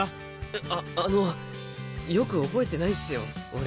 えっあっあのよく覚えてないんすよ俺。